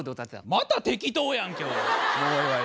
また適当やんけおい！